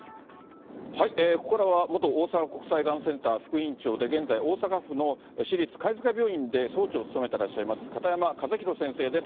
ここからは元大阪国際がんセンター副院長で、現在、大阪府の市立かいづか病院で総長を務めてらっしゃいます、片山和宏先生です。